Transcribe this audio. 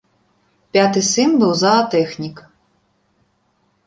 Пяты сын быў заатэхнік.